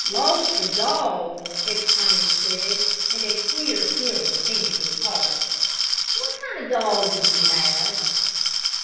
"Lost your dog!" exclaimed Sig, and a queer feeling came into his heart. "What kind of a dog did you have?"